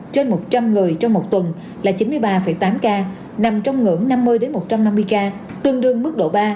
trên một trăm linh người trong một tuần là chín mươi ba tám ca nằm trong ngưỡng năm mươi một trăm năm mươi ca tương đương mức độ ba